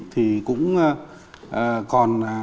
thì cũng còn